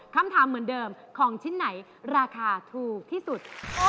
คำถามเหมือนเดิมของชิ้นไหนราคาถูกที่สุด